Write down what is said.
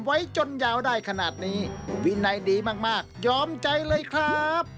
ไว้จนยาวได้ขนาดนี้วินัยดีมากยอมใจเลยครับ